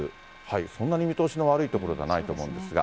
そんなに見通しの悪い所じゃないと思うんですが。